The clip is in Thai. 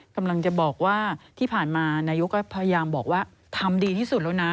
กำลังจะบอกว่าที่ผ่านมานายกก็พยายามบอกว่าทำดีที่สุดแล้วนะ